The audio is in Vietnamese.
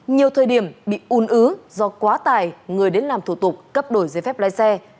nhiều thời điểm bị un ứ do quá tài người đến làm thủ tục cấp đổi giấy phép lái xe